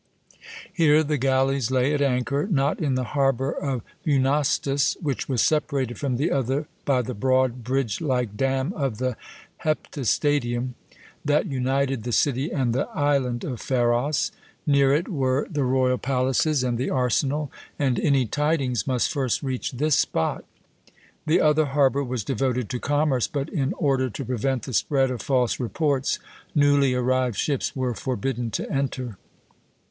Here the galleys lay at anchor, not in the harbour of Eunostus, which was separated from the other by the broad, bridge like dam of the Heptastadium, that united the city and the island of Pharos. Near it were the royal palaces and the arsenal, and any tidings must first reach this spot. The other harbour was devoted to commerce, but, in order to prevent the spread of false reports, newly arrived ships were forbidden to enter.